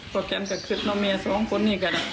ก็แค่ให้ฆ่าซ้ำเมสองคนนี่กัน